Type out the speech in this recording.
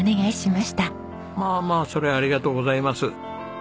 まあまあそれはありがとうございます。